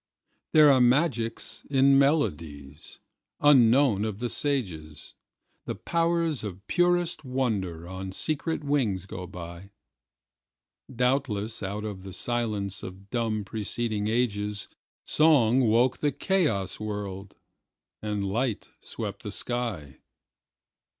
There are magics in melodies, unknown of the sages; The powers of purest wonder on secret wings go by. Doubtless out of the silence of dumb preceding agesSong woke the chaos world—and light swept the sky.